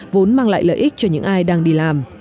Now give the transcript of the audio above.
vốn mang lại lợi ích cho những ai đang đi làm